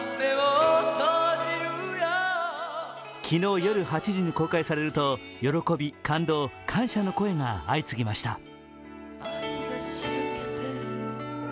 昨日夜８時に公開されると喜び、感動、感謝の声が相次ぎました。